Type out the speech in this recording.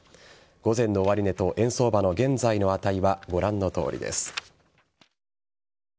午前の終値と円相場の現在の値はご覧のとおりです。